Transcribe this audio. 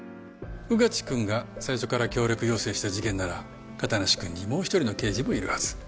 穿地くんが最初から協力要請した事件なら片無くんにもう一人の刑事もいるはず。